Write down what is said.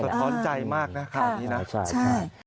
สะท้อนใจมากนะค่ะอันนี้นะใช่